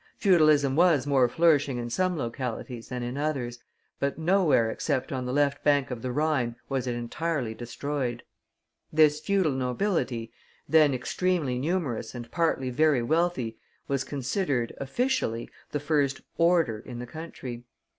Feudalism was more flourishing in some localities than in others, but nowhere except on the left bank of the Rhine was it entirely destroyed. This feudal nobility, then extremely numerous and partly very wealthy, was considered, officially, the first "Order" in the country.